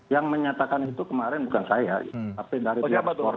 yang menyatakan itu kemarin bukan saya tapi dari pihak polri